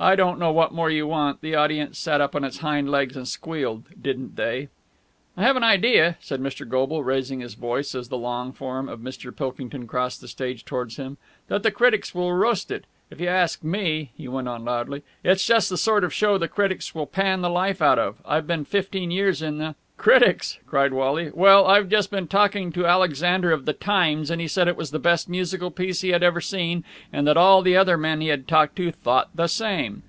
"I don't know what more you want. The audience sat up on its hind legs and squealed, didn't they?" "I've an idea," said Mr. Goble, raising his voice as the long form of Mr. Pilkington crossed the stage towards them, "that the critics will roast it. If you ask me," he went on loudly, "it's just the sort of show the critics will pan the life out of. I've been fifteen years in the...." "Critics!" cried Wally. "Well, I've just been talking to Alexander of the Times, and he said it was the best musical piece he had ever seen and that all the other men he had talked to thought the same."